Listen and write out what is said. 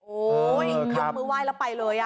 โอ๊ยยกมือไหว้แล้วไปเลยอ่ะ